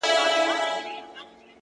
• دا يې د ميــــني تـرانـــه ماته كــړه،